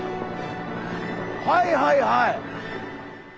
はいはいはい。